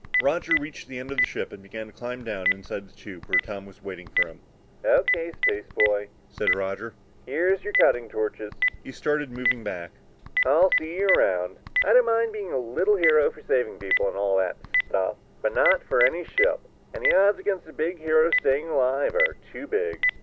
Roger reached the end of the ship and began to climb down inside the tube where Tom was waiting for him. "O.K., spaceboy," said Roger, "here're your cutting torches." He started moving back. "I'll see you around. I don't mind being a little hero for saving people and all that stuff. But not for any ship. And the odds against a big hero staying alive are too big!"